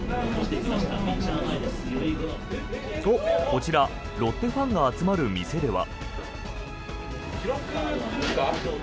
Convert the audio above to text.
こちらロッテファンの集まる店では。